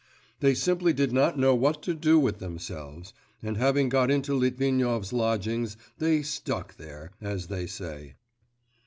They simply did not know what to do with themselves, and having got into Litvinov's lodgings they 'stuck' there, as they say.